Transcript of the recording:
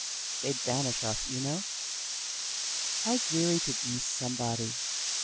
They 'd banish us, you know. How dreary to be somebody!